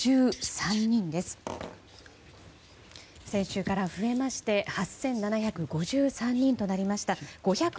先週から増えまして８７５３人となりました。